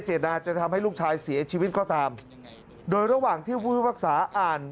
เจตนาจะทำให้ลูกชายเสียชีวิตก็ตามโดยระหว่างที่ผู้พิพากษาอ่าน